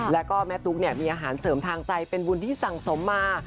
แล้วก็แม่ตุ๊กมีอาหารเสริมทางใจเป็นบุญที่สั่งสมมา